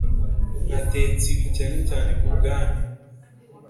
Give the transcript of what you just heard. natetse ibi cyane cyane kubwanyu.